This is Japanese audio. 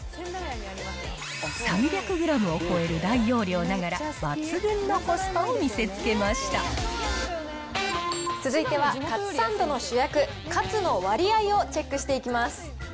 ３００グラムを超える大容量ながら、続いてはカツサンドの主役、カツの割合をチェックしていきます。